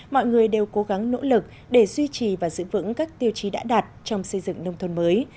mọi người đều cố gắng nỗ lực để duy trì và giữ vững các tiêu chí đã đạt trong xây dựng nông thôn mới